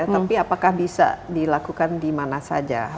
tapi apakah bisa dilakukan di mana saja